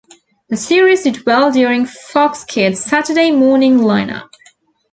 The series did well during Fox Kids' Saturday morning line-up.